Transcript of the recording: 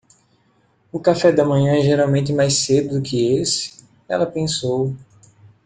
O café da manhã é geralmente mais cedo do que esse?, ela pensou.